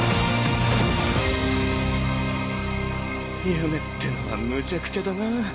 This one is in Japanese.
夢ってのはむちゃくちゃだなぁ。